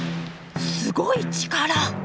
すごい力！